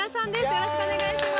よろしくお願いします。